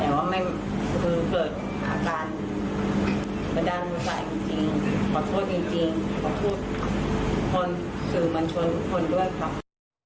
แต่ว่าไม่คือเกิดอาการประดานมุสัยจริงจริงขอโทษจริงจริงขอโทษคนคือบัญชนทุกคนด้วยครับ